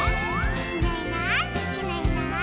「いないいないいないいない」